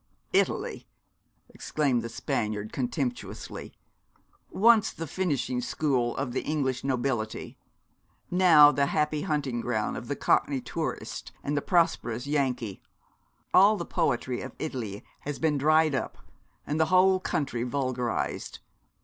'Italy!' exclaimed the Spaniard, contemptuously. 'Once the finishing school of the English nobility; now the happy hunting ground of the Cockney tourist and the prosperous Yankee. All the poetry of Italy has been dried up, and the whole country vulgarised.